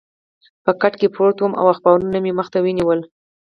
په کټ کې پروت وم او اخبارونه مې مخې ته ونیول.